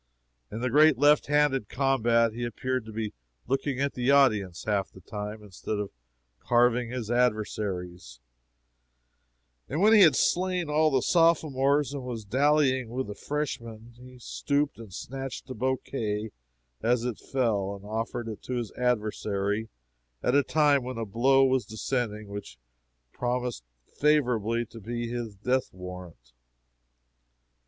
In the great left handed combat he appeared to be looking at the audience half the time, instead of carving his adversaries; and when he had slain all the sophomores and was dallying with the freshman, he stooped and snatched a bouquet as it fell, and offered it to his adversary at a time when a blow was descending which promised favorably to be his death warrant.